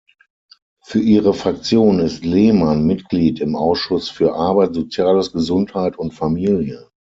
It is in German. Für ihre Fraktion ist Lehmann Mitglied im Ausschuss für Arbeit, Soziales, Gesundheit und Familie.